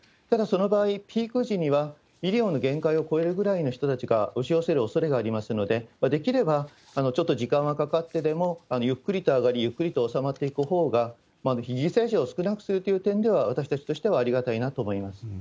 ただ、その場合、ピーク時には、医療の限界を超えるぐらいの人たちが押し寄せるおそれがありますので、できればちょっと時間はかかってでもゆっくりと上がり、ゆっくりと収まっていくほうが、を少なくする点では私たちとしてはありがたいと思います。